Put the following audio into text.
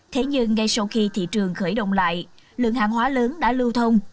thế nhưng ngay sau khi thị trường khởi động lại lượng hàng hóa lớn đã lưu thông